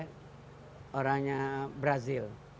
balik ke orangnya brazil